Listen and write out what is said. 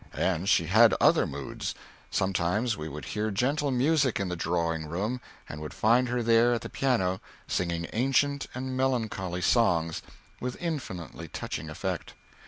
And she had other moods. Sometimes we would hear gentle music in the drawing room and would find her there at the piano singing ancient and melancholy songs with infinitely touching effect.